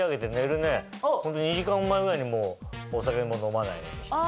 ２時間前ぐらいにもうお酒も飲まないようにして。